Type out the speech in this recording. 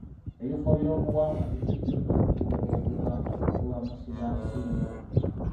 Ebifo by'obuwangwa biteekeddwa okukuumibwa okuva ku bamusigansimbi.